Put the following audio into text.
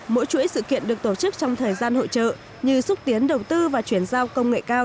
mỗi chuỗi sự kiện được tổ chức trong thời gian hội trợ như xúc tiến đầu tư và chuyển giao công nghệ cao